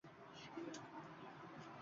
Yuraklari gʼarib, gʼuborli.